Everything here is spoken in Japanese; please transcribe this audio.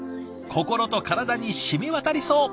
心と体にしみわたりそう。